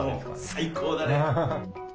最高だね。